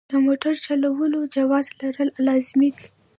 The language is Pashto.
د موټر چلولو جواز لرل لازمي دي.